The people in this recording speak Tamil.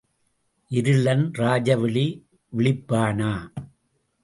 இருளன் ராஜவிழி விழிப்பானா?